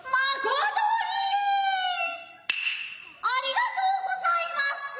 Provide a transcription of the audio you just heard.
ありがとうございます！